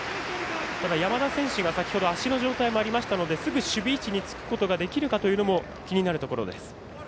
ただ、山田選手が足の状態がありましたので守備位置につくことができるかが気になるところです。